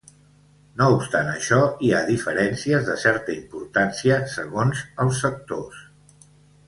No obstant això, hi ha diferències de certa importància segons els sectors.